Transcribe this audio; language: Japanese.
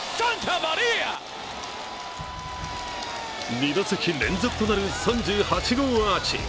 ２打席連続となる３８号アーチ。